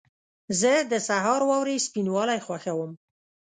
زه د سهار واورې سپینوالی خوښوم.